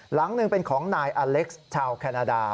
หลังหนึ่งเป็นของนายอเล็กซ์ชาวแคนาดา